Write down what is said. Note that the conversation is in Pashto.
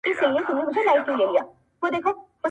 ما پخوا لا ستا تر مخه باندي ایښي دي لاسونه.!